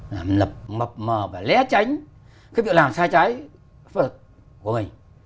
làm lập mập mờ và lé tránh cái việc làm sai trái pháp luật của mình